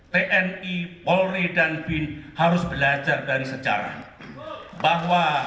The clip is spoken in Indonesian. tni polri dan bin harus belajar dari sejarah bahwa